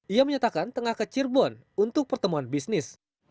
ia menyatakan tengah ke cirebon untuk pertemuan bisnis